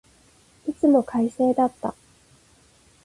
いつも快晴だった。